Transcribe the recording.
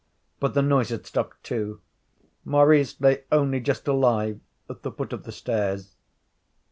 But the noise had stopped too. Maurice lay only just alive at the foot of the stairs.